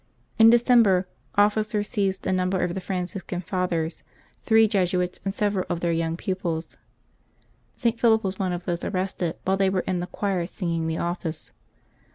In De cember, officers seized a number of the Franciscan Fathers, three Jesuits, and several of their young pupils. St. Philip was one of those arrested while they were in the choir singing the Office.